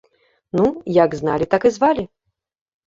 Ну, як зналі, так і звалі.